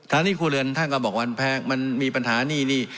หนี้ครัวเรือนถ้าเกาะบอกวันแพงมันมีปัญหาหนี้นี่